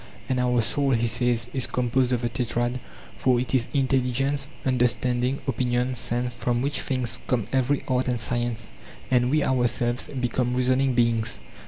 And our soul, he says, is composed of the tetrad; for it is intelligence, understanding, opinion, sense, from which things come every art and science, and we ourselves become reasoning beings.